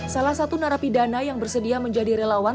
salah satu narapidana yang bersedia menjadi relawan